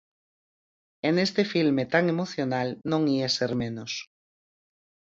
E neste filme tan emocional non ía ser menos.